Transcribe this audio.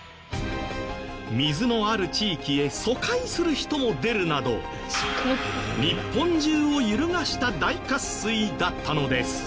水のある地域へ疎開する人も出るなど日本中を揺るがした大渇水だったのです。